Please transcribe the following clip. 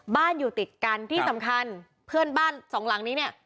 อยู่ติดกันที่สำคัญเพื่อนบ้านสองหลังนี้เนี่ย